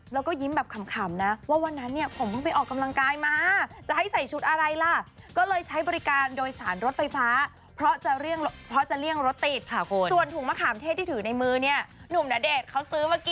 แล้วก็ยิ้มแบบขำนะว่าวันนั้นเนี่ยผมเพิ่งไปออกกำลังกายมา